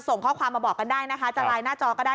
ส่งข้อความมาบอกกันได้นะคะจะไลน์หน้าจอก็ได้